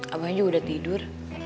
abahnya juga udah tidur